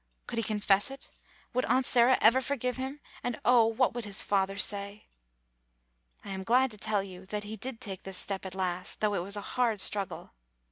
Could he confess it? Would Aunt Sarah ever forgive him? And oh ! what would his father say? I am glad to tell you that he did take this step at last, though it was a hard struggle.